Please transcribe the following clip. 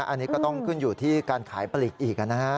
อันนี้ก็ต้องขึ้นอยู่ที่การขายปลีกอีกนะฮะ